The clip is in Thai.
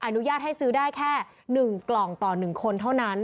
อนุญาตให้ซื้อได้แค่๑กล่องต่อ๑คนเท่านั้น